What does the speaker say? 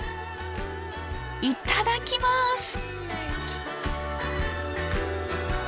いただきます！